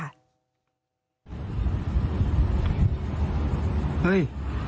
เฮ้ย